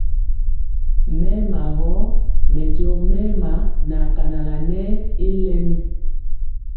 Mɛɛma gɔ mɛ jɔ mɛɛma na kanala nɛɛ y lɛmi.